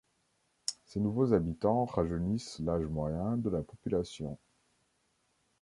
Ces nouveaux habitants rajeunissent l'âge moyen de la population.